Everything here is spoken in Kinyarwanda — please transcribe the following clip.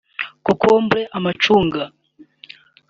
cocombre amacunga